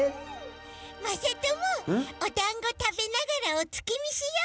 まさともおだんごたべながらおつきみしよう！